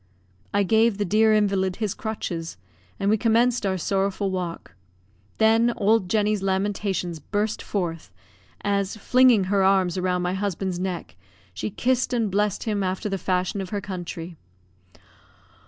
I gave the dear invalid his crutches, and we commenced our sorrowful walk. Then old Jenny's lamentations burst forth, as, flinging her arms round my husband's neck, she kissed and blessed him after the fashion of her country.